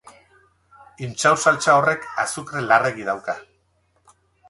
Intxaur-saltsa horrek azukre larregi dauka.